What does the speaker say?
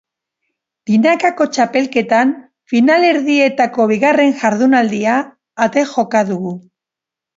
Binakako txapelketan finalerdietako bigarren jardunaldia ate joka dugu.